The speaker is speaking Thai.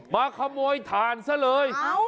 มาขโมยถ่านซะเลย